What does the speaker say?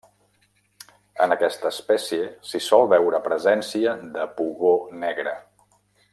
En aquesta espècie s'hi sol veure presència de pugó negre.